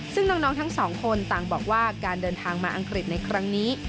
ซึ่งน้องทั้งสองคนต่างบอกว่าการเดินทางมาอังกฤษในครั้งนี้